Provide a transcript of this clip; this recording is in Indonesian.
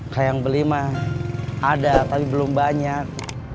kayak yang beli mah ada tapi belum banyak